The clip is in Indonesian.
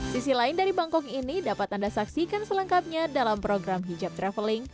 sisi lain dari bangkok ini dapat anda saksikan selengkapnya dalam program hijab traveling